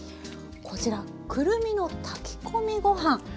こちら「くるみの炊き込みご飯」。